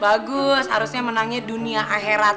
bagus harusnya menangnya dunia akhirat